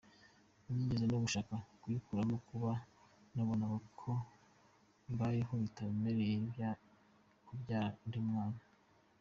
Nigeze no gushaka kuyikuramo kuko nabonaga uko mbayeho bitanyemerera kubyara undi mwana.